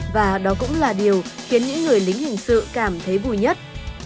và đó cũng là điều khiến những người lính hình sự cảm thấy vui nhất